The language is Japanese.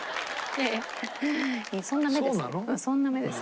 そんな目です。